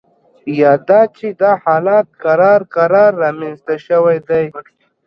یا دا چې دا حالت کرار کرار رامینځته شوی دی